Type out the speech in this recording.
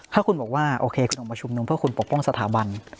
ถ้าคุณบอกว่าโอเคคุณออกมาชุมนุมเพื่อคุณปกป้องสถาบัน